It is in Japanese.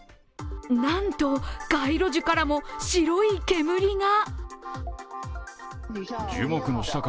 なんと街路樹からも白い煙が。